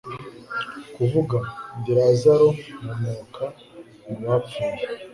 Kuvuga: "Ndi Lazaro, nkomoka mu bapfuye,